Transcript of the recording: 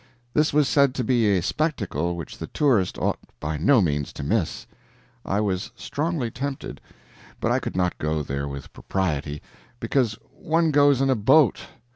This was said to be a spectacle which the tourist ought by no means to miss. I was strongly tempted, but I could not go there with propriety, because one goes in a boat.